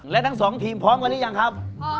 และทั้งสองทีมพร้อมกันหรือยังครับ